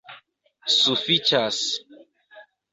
sufiĉas